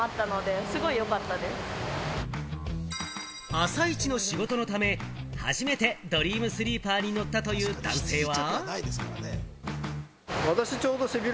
朝いちの仕事のため、初めてドリームスリーパーに乗ったという男性は。